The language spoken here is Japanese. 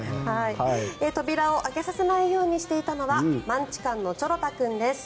扉を開けさせないようにしていたのはマンチカンのちょろ太君です。